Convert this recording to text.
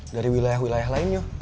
dari wilayah wilayah lainnya